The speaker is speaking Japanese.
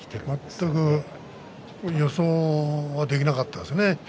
全く予想はできなかったですね。